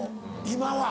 今は。